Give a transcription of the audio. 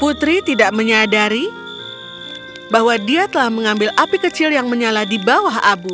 putri tidak menyadari bahwa dia telah mengambil api kecil yang menyala di bawah abu